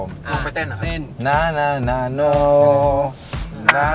ลงไปเต้นเหรอครับ